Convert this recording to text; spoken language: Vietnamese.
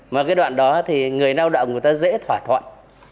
mà cái đoạn đó thì người lao động người ta dễ thỏa thuận